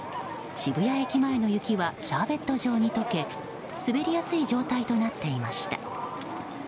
渋谷駅前の雪はシャーベット状に解け滑りやすい状態となっていました。